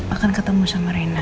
akan ketemu sama rina